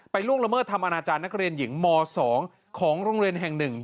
ล่วงละเมิดทำอนาจารย์นักเรียนหญิงม๒ของโรงเรียนแห่ง๑